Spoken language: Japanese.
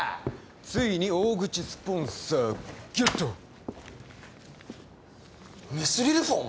ついに大口スポンサーゲットミスリルフォン